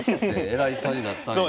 偉いさんになったんや。